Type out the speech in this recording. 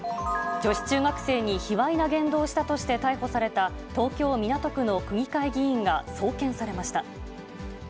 女子中学生に卑わいな言動をしたとして逮捕された、東京・港区の区議会議員が送検されました。